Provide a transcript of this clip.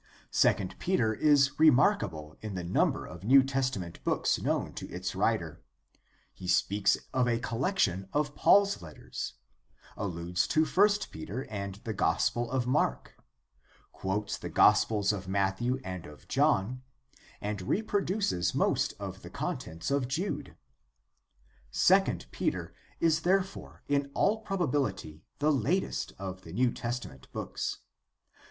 II Peter is remarkable in the number of New Testament books known to its writer ; he speaks of a collection THE STUDY OF THE NEW TESTAMENT 199 of Paul's letters, alludes to I Peter and the Gospel of Mark, quotes the Gospels of Matthew and of John, and reproduces most of the contents of Jude. II Peter is therefore in all proba bility the latest of the New Testament books.